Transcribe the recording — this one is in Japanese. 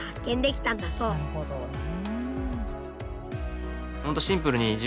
なるほどね。